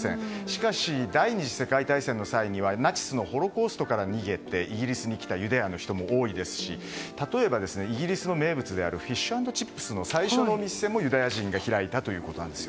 しかし、第２次世界大戦の際はナチスのホロコーストから逃げてイギリスに来たユダヤの人も多いですし例えば、イギリスの名物であるフィッシュアンドチップスの最初の店もユダヤ人が開いたということです。